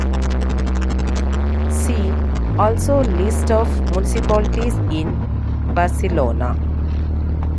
See also List of municipalities in Barcelona.